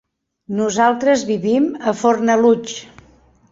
Nosaltres vivim a Fornalutx.